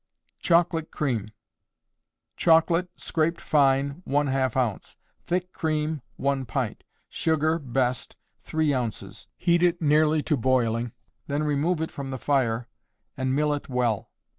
Chocolate Cream. Chocolate, scraped fine, ½ ounce; thick cream, 1 pint; sugar (best), 3 ounces; heat it nearly to boiling, then remove it from the fire, and mill it well.